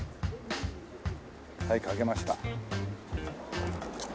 はいかけました。